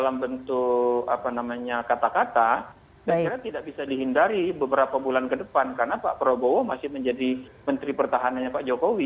mereka tidak bisa dihindari beberapa bulan ke depan karena pak prabowo masih menjadi menteri pertahanannya pak jokowi